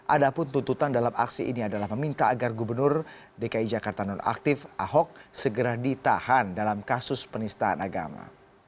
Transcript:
ada pun tuntutan dalam aksi ini adalah meminta agar gubernur dki jakarta nonaktif ahok segera ditahan dalam kasus penistaan agama